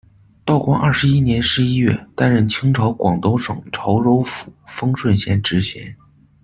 道光二十一年十一月，担任清朝广东省潮州府丰顺县知县。